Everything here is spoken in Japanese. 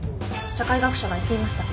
社会学者が言っていました。